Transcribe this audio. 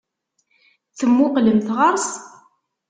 Temmuqqlemt ɣer-s?